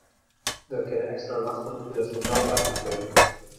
Der kinne ekstra nachten yn it hotel byboekt wurde.